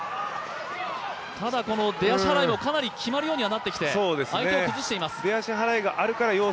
ただ出足払いもかなり決まるようになってきて、相手を崩しています